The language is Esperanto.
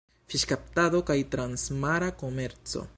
Fiŝkaptado kaj transmara komerco.